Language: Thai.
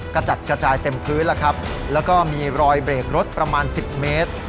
กระจัดกระจายเต็มพื้นแล้วครับแล้วก็มีรอยเบรกรถประมาณสิบเมตร